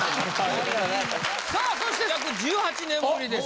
さあそして約１８年ぶりです。